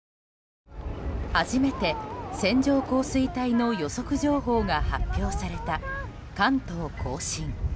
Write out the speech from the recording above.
初めて線状降水帯の予測情報が発表された関東・甲信。